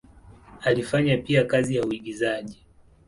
Alifanya pia kazi ya uigizaji.